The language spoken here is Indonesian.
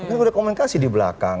itu komunikasi di belakang